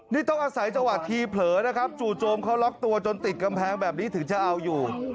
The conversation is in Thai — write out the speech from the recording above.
นี่ต้องอาศัยจังหวะทีเผลอนะครับจู่โจมเขาล็อกตัวจนติดกำแพงแบบนี้ถึงจะเอาอยู่